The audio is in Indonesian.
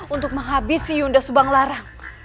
untuk menghabisi yunda subanglarang